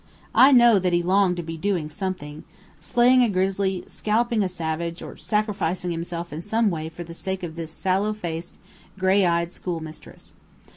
I know that he longed to be doing something slaying a grizzly, scalping a savage, or sacrificing himself in some way for the sake of this sallow faced, gray eyed schoolmistress.